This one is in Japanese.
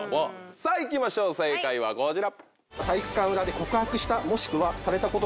さぁ行きましょう正解はこちら。